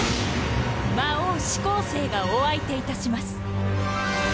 魔王四煌星がお相手いたします。